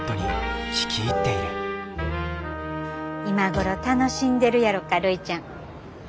今頃楽しんでるやろかるいちゃん。